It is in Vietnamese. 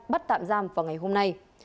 bắt tạm giam vào ngày hôm nay